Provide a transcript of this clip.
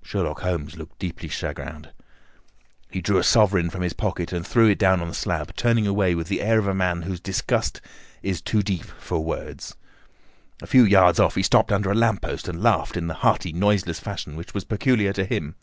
Sherlock Holmes looked deeply chagrined. He drew a sovereign from his pocket and threw it down upon the slab, turning away with the air of a man whose disgust is too deep for words. A few yards off he stopped under a lamp post and laughed in the hearty, noiseless fashion which was peculiar to him.